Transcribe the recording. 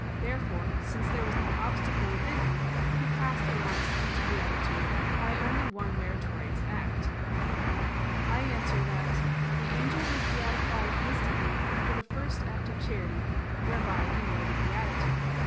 Therefore, since there was no obstacle within him, he passed at once into beatitude by only one meritorious act. I answer that, The angel was beatified instantly after the first act of charity, whereby he merited beatitude.